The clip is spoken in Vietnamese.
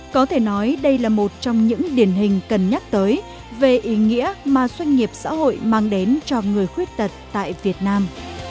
có thể nói đây là một trong những điển hình cần nhắc tới về ý nghĩa mà doanh nghiệp xã hội mang đến cho người khuyết tật tại việt nam